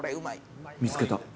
見付けた。